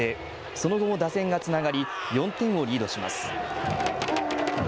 その後も打線がつながり４点をリードします。